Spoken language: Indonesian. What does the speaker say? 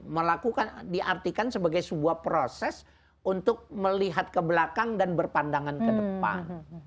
melakukan diartikan sebagai sebuah proses untuk melihat ke belakang dan berpandangan ke depan